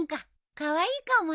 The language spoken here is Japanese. カワイイかもね。